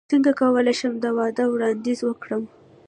څنګه کولی شم د واده وړاندیز وکړم